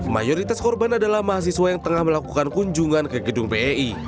mayoritas korban adalah mahasiswa yang tengah melakukan kunjungan ke gedung bei